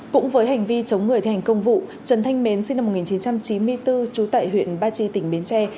cũng với hành vi chống người thi hành công vụ trần thanh mến sinh năm một nghìn chín trăm chín mươi bốn trú tại huyện ba chi tỉnh bến tre